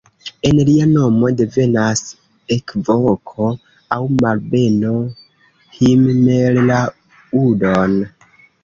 El lia nomo devenas ekvoko aŭ malbeno "himmellaudon!